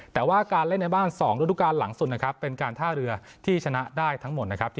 แต่ว่าการเล่นในบ้าน๒ฤดูการหลังสุดนะครับเป็นการท่าเรือที่ชนะได้ทั้งหมดนะครับ